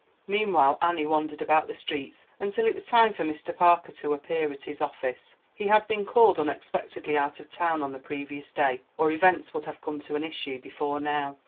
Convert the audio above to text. Meanwhile Annie wandered about the streets until it was time for Mr. Parker to appear at his office. He had been called unexpectedly out of town on the previous day, or events would have come to an issue before now.